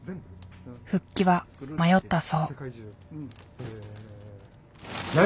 復帰は迷ったそう。